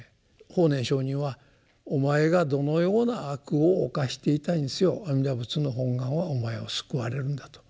法然上人はお前がどのような悪を犯していたにせよ阿弥陀仏の本願はお前を救われるんだと。